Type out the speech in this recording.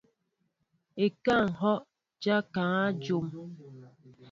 Ekáá ehɔʼ ja ŋkaŋa dyom.